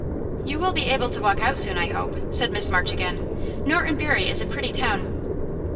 "You will be able to walk out soon, I hope," said Miss March again. "Norton Bury is a pretty town."